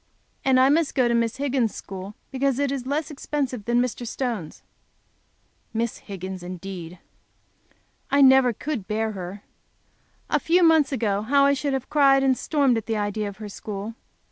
And I must go to Miss Higgins' school because it is less expensive than Mr. Stone's. Miss Higgins, indeed! I never could bear her! A few months ago, how I should have cried and stormed at the idea of her school.